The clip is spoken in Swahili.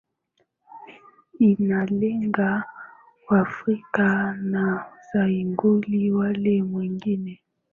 inalenga waafrika na haiguzi wale wengine